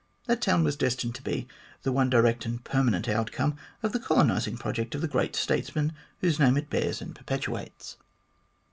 That town was destined to be the one direct and permanent outcome of the colonising project of the great statesman whose name it bears and perpetuates.